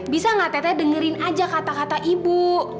bisa gak tete dengerin aja kata kata ibu